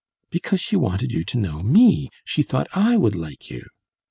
"Because she wanted you to know me she thought I would like you!"